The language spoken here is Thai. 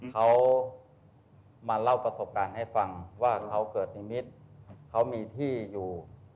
เขามาเล่าประสบการณ์ให้ฟังว่าเขาเกิดนิมิตรเขามีที่อยู่